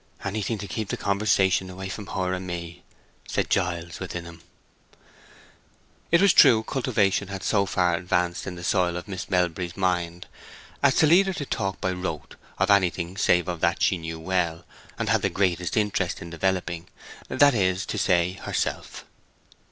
"Anything to keep the conversation away from her and me," said Giles within him. It was true cultivation had so far advanced in the soil of Miss Melbury's mind as to lead her to talk by rote of anything save of that she knew well, and had the greatest interest in developing—that is to say, herself.